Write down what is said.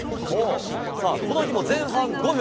さあ、この日も前半５分。